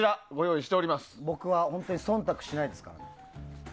僕は本当に忖度しないですからね。